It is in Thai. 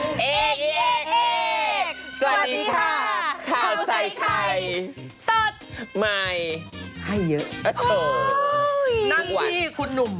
สวัสดีค่ะข้าวใส่ไข่สดใหม่ให้เยอะนั่งที่คุณหนุ่ม